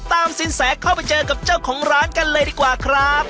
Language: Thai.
สินแสเข้าไปเจอกับเจ้าของร้านกันเลยดีกว่าครับ